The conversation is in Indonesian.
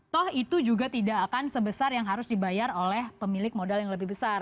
toh itu juga tidak akan sebesar yang harus dibayar oleh pemilik modal yang lebih besar